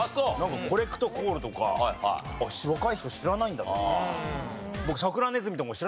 コレクトコールとか若い人知らないんだっていうのが。